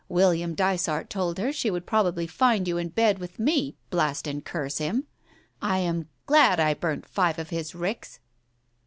William Dysart told her she would prob ably find you in bed with me, blast and curse him ! I am glad I burnt five of his ricks